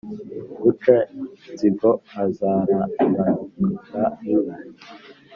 gaca-nzigo azararanura inka.